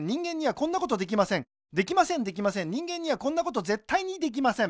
できませんできません人間にはこんなことぜったいにできません